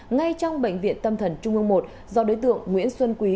ngay trong bệnh viện tâm thần trung ương một do đối tượng nguyễn xuân quý